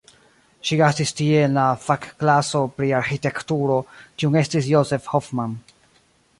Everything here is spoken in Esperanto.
Ŝi gastis tie en la fakklaso pri arĥitekturo kiun estris Josef Hoffmann.